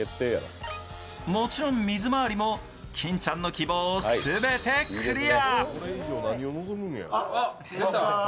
もちろん水回りも金ちゃんの希望を全てクリア。